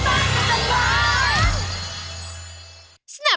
ขอต้อนรับคุณผู้ชมเข้าสู่รายการ